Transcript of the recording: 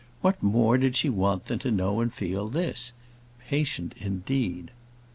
What more did she want than to know and feel this? Patient, indeed!